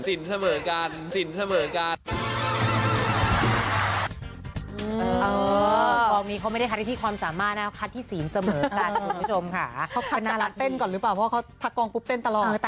สินเสมอกัน